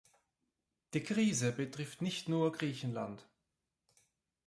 Die Krise betrifft nicht nur Griechenland.